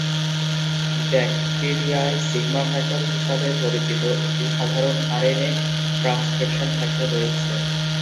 ব্যাকটিরিয়ায় sigma factor হিসাবে পরিচিত একটি সাধারণ আরএনএ ট্রান্সক্রিপশন ফ্যাক্টর রয়েছে।